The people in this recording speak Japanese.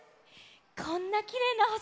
こんなきれいなほし